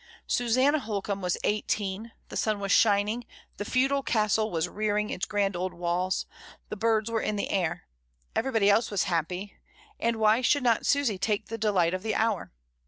Susanna Hol combe was eighteen, the sun was shining, the feudal Castle was rearing its grand old walls — the birds were in the air. Everybody else was happy, and why should not Susy take the delight of the hour?